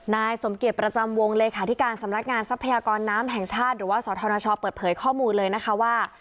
นายสมเกียจประจำวงเลขาธิการสำนักงานทรัพยากรน้ำแห่งชาติหรือว่าสธนชเปิดเผยข้อมูลเลยนะคะว่า